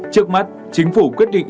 trước mắt chính phủ quyết định